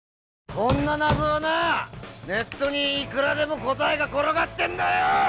こんな謎はなネットにいくらでも答えが転がってんだよ